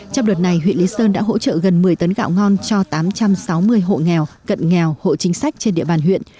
trong đợt này huyện lý sơn đã hỗ trợ gần một mươi tấn gạo ngon cho tám trăm sáu mươi hộ nghèo cận nghèo hộ chính sách trên địa bàn huyện